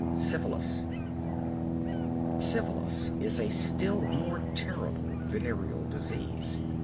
SYPHILIS Syphilis is a still more terrible venereal disease.